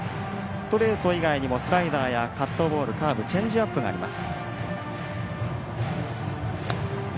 ストレート以外にもスライダーやカットボールチェンジアップがあります。